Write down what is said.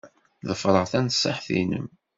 Ḍefreɣ tanṣiḥt-nnem.